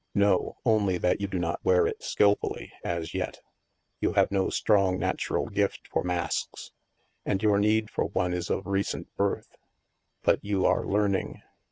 " No. Only that you do not wear it skilfully — as yet. You have no strong natural gift for masks, and your need for one is of recent birth. But you are learning.